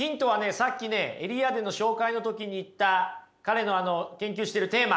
さっきエリアーデの紹介の時に言った彼の研究してるテーマ。